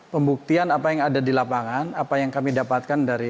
pembuktian apa yang ada di lapangan apa yang kami dapatkan dari laporan laporan ini akan diperoleh